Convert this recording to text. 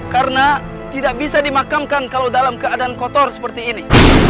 karena tidak bisa dimakamkan kalau dalam keadaan kotor seperti ini